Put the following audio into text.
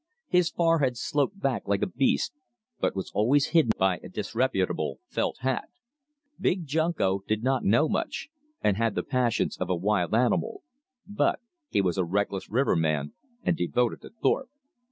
His forehead sloped back like a beast's, but was always hidden by a disreputable felt hat. Big Junko did not know much, and had the passions of a wild animal, but he was a reckless riverman and devoted to Thorpe.